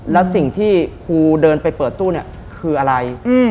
แล้วสิ่งที่ครูเดินไปเปิดตู้เนี่ยคืออะไร